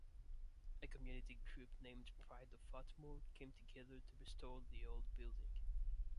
A community group named Pride of Atmore came together to restore the old building.